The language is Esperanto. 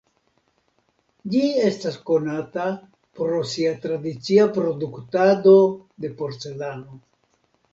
Ĝi estas konata pro sia tradicia produktado de porcelano.